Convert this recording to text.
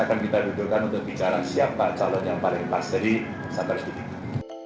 akan kita dudukkan untuk bicara siapa calon yang paling pas jadi sampai ketika